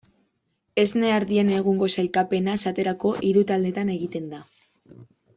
Esne ardien egungo sailkapena, esaterako, hiru taldetan egiten da.